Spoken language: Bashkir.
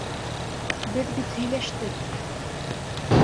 Беҙ бит һөйләштек...